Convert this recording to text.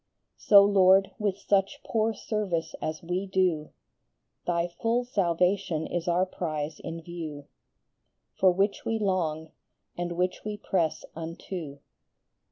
35 So, Lord, with such poor service as we do, Thy full salvation is our prize in view, For which we long, and which we press unto.